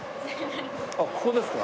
あっここですか。